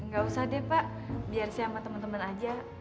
gak usah deh pak biar saya sama teman teman aja